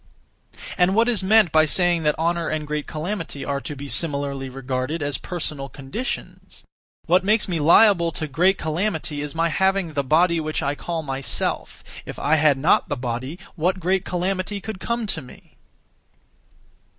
And what is meant by saying that honour and great calamity are to be (similarly) regarded as personal conditions? What makes me liable to great calamity is my having the body (which I call myself); if I had not the body, what great calamity could come to me?